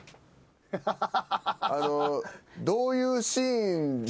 あのどういうシーンで。